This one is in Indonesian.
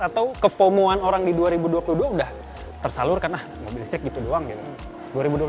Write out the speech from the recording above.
atau ke fomo an orang di dua ribu dua puluh dua udah tersalurkan ah mobil listrik gitu doang gitu